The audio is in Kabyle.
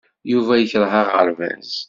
Yuba yekṛeh aɣerbaz.